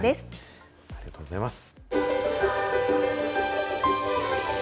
ありがとうございます。